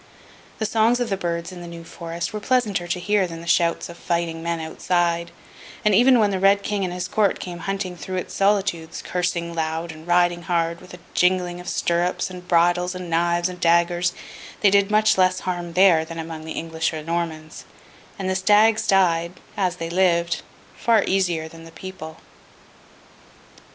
The songs of the birds in the New Forest were pleasanter to hear than the shouts of fighting men outside; and even when the Red King and his Court came hunting through its solitudes, cursing loud and riding hard, with a jingling of stirrups and bridles and knives and daggers, they did much less harm there than among the English or Normans, and the stags died (as they lived) far easier than the people.